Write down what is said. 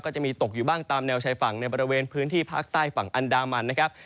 จะมีตกอยู่บ้างตามแนวชายฝั่งในบริเวณพื้นที่ภาคใต้ฝั่งอันดามันนะครับ